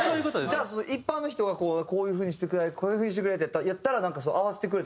じゃあ一般の人がこういう風にしてくれこういう風にしてくれってやったら合わせてくれたりも。